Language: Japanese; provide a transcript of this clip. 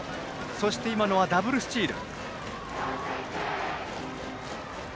そして、今のはダブルスチール。